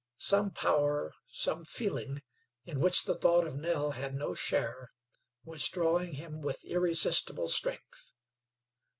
Some power, some feeling in which the thought of Nell had no share, was drawing him with irresistible strength.